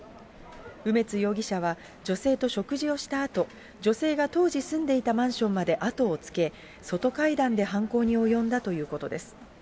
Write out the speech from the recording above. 梅津容疑者は、女性と食事をしたあと、女性が当時住んでいたマンションまで後をつけ、外階段で犯行に及んだということです。